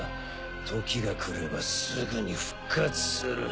時がくればすぐに復活する。